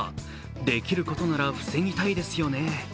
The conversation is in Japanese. できることなら防ぎたいですよね。